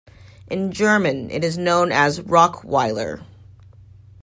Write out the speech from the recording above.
In German it is known as "Rokwiler".